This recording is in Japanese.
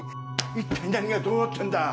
一体何がどうなってんだ⁉